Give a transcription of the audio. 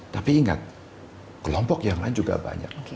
tapi ingat kelompok yang lain juga banyak